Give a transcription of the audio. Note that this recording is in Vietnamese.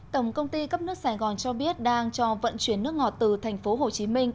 tổng công ty cấp nước sài gòn cho biết đang cho vận chuyển nước ngọt từ thành phố hồ chí minh